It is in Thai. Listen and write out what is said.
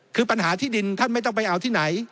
คือปัญหาที่ดินท่านไม่ต้องไปเอาที่ไหน